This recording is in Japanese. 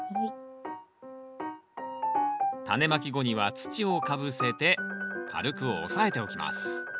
タネまき後には土をかぶせて軽く押さえておきます